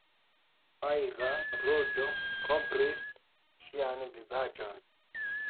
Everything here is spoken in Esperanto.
Fajra ruĝo kovris ŝian vizaĝon.